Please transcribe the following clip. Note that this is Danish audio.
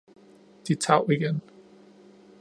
De tav igen.